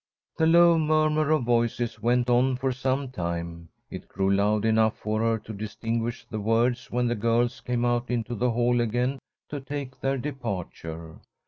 The low murmur of voices went on for some time. It grew loud enough for her to distinguish the words when the girls came out into the hall again to take their departure.